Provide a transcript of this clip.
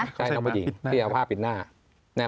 ใช่น้องผู้หญิงที่เอาผ้าปิดหน้า